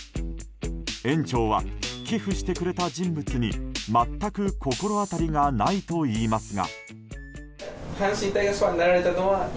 園長は、寄付してくれた人物に全く心当たりがないといいますが。